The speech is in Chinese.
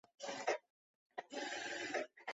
现在典藏于日本水户市的彰考馆德川博物馆。